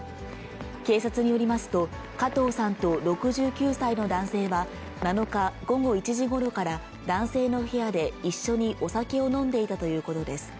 警察によりますと、加藤さんと６９歳の男性は、７日午後１時ごろから、男性の部屋で一緒にお酒を飲んでいたということです。